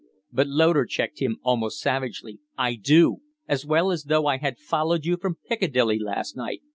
But Loder checked him almost savagely. "I do as well as though I had followed you from Piccadilly last night!